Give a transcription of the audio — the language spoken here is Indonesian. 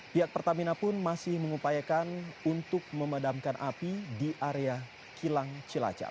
pihak pertamina pun masih mengupayakan untuk memadamkan api di area kilang cilacap